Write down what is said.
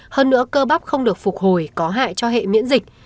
hoặc phục hồi có hại cho hệ miễn dịch